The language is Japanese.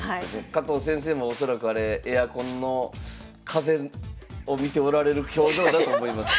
加藤先生も恐らくあれエアコンの風を見ておられる表情だと思います。